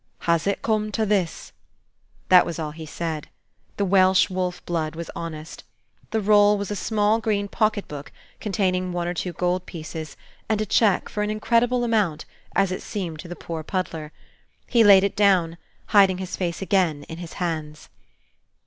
"Has it come to this?" That was all he said. The Welsh Wolfe blood was honest. The roll was a small green pocket book containing one or two gold pieces, and a check for an incredible amount, as it seemed to the poor puddler. He laid it down, hiding his face again in his hands.